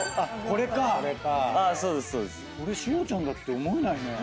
これショウちゃんだって思えないね。